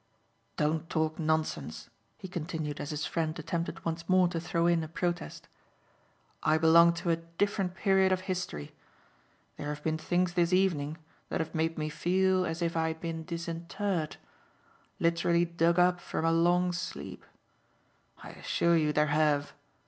"Don't talk nonsense," he continued as his friend attempted once more to throw in a protest; "I belong to a different period of history. There have been things this evening that have made me feel as if I had been disinterred literally dug up from a long sleep. I assure you there have!"